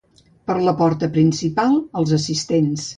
Per la porta principal els assistents